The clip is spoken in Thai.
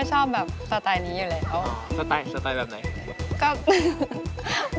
จริงก็เล็งเทนไว้เหมือนกัน